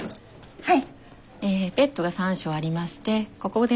はい。